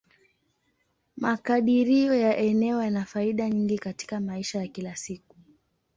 Makadirio ya eneo yana faida nyingi katika maisha ya kila siku.